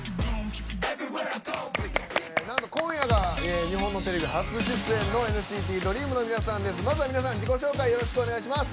今夜が、日本のテレビ初出演のＮＣＴＤＲＥＡＭの皆さんです。